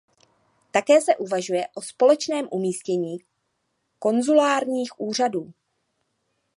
Také se uvažuje o společném umístění konzulárních úřadů.